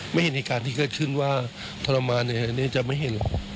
ไม่เห็นเหตุการณ์ที่เกิดขึ้นว่าทรมานเนี่ยจะไม่เห็นลง